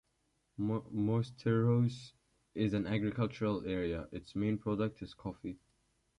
Mosteiros is an agricultural area, its main product is coffee.